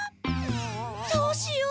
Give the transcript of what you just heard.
どうしよう。